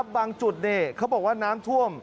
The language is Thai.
บางจุดเขาบอกว่าน้ำท่วม